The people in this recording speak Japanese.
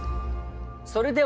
それでは。